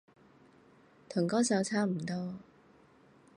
同嗰首差唔多